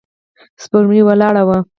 سپوږمۍ ولاړه وه.